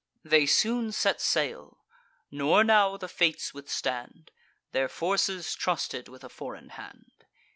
They soon set sail; nor now the fates withstand; Their forces trusted with a foreign hand.